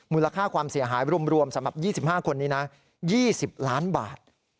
มูลค่าความเสียหายรวมสำหรับ๒๕คนนี้นะ๒๐ล้านบาท